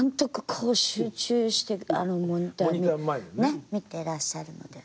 こう集中してモニターを見てらっしゃるので。